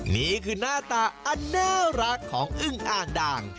นี่คือหน้าตาอันน่ารักของอึ้งอ่างด่าง